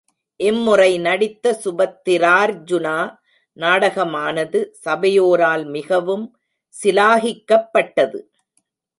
இம் முறை நடித்த சுபத்திரார்ஜுனா நாடகமானது சபையோரால் மிகவும் சிலாகிக்கப்பட்டது.